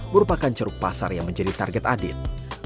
merupakan ceruk pasar yang menjadi target adit